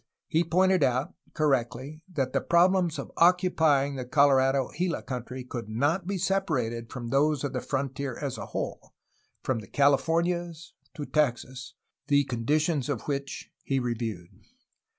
He pointed out, cor rectly, that the problems of occupying the Colorado Gila country could not be separated from those of the frontier as a whole, from the Californias to Texas, the conditions of which he reviewed.